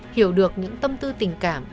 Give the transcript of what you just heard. hiểu được những tâm tư tình cảm